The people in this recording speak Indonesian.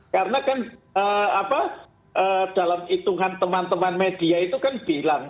karena kan dalam hitungan teman teman media itu kan bilang